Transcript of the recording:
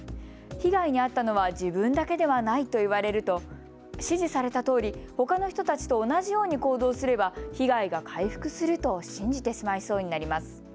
被害に遭ったのは自分だけではないと言われると指示されたとおり、ほかの人たちと同じように行動すれば被害が回復すると信じてしまいそうになります。